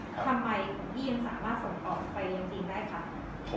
ทำไมของอียีนสามารถส่งออกไปจีนได้คะ